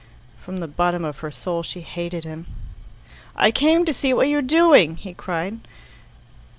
From the bottom of her soul she hated him. "I came to see what you're doing," he cried.